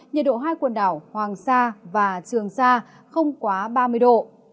nhiệt độ hai quần đảo hoàng sa và trường sa không quá ba mươi độ